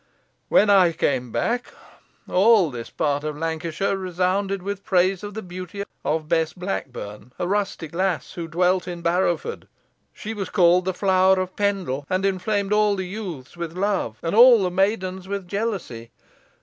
"When I came back, all this part of Lancashire resounded with praises of the beauty of Bess Blackburn, a rustic lass who dwelt in Barrowford. She was called the Flower of Pendle, and inflamed all the youths with love, and all the maidens with jealousy.